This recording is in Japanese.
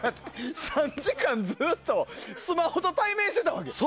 ３時間ずっとスマホと対面してたの？